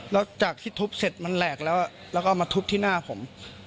แล้วจากที่ทุบเสร็จมันแรกแล้วก็เอามันทุบที่หน้าผม